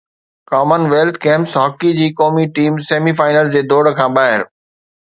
common wealth Games hockey جي قومي team semi final جي دوڑ کان ٻاهر